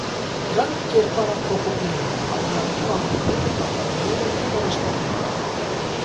Դրանք կերպարափոխուկներն են, արյունարբու վամպիրները, կախարդները և հրեշտակները։